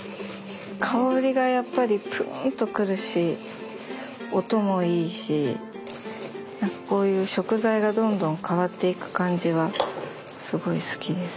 香りがやっぱりプーンと来るし音もいいしこういう食材がどんどん変わっていく感じはすごい好きです。